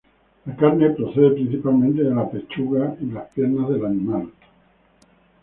La carne procede principalmente de la pechuga y las piernas del animal.